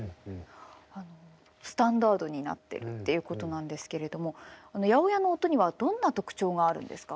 あのスタンダードになってるっていうことなんですけれども８０８の音にはどんな特徴があるんですか？